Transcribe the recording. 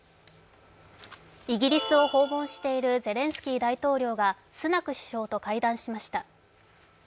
イギリスを訪問しているゼレンスキー大統領がスナク首相と会談しました。